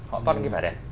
họ có những vẻ đẹp